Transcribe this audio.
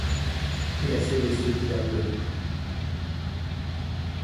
Et à celles et ceux qui la peuplent.